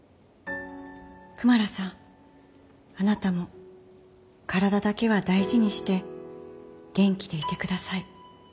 クマラさんあなたも身体だけは大事にして元気でいてください。